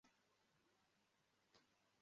Abantu bicara hanze kumuhanda n'ibyatsi